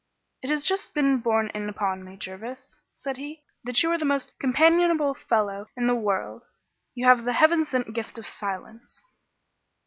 "It has just been borne in upon me, Jervis," said he, "that you are the most companionable fellow in the world. You have the heaven sent gift of silence."